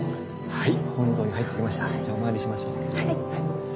はい。